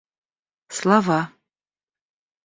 слова